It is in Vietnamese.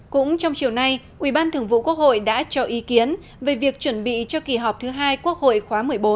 cũng trong chiều nay ubthqh đã cho ý kiến về việc chuẩn bị cho kỳ họp thứ hai quốc hội khóa một mươi bốn